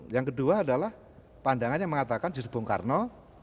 yang kedua adalah pandangannya mengatakan jusbong karno